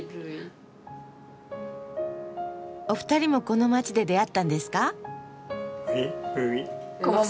お二人もこの街で出会ったんですか？